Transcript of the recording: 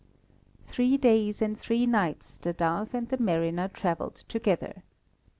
Three days and three nights the dove and the mariner travelled together.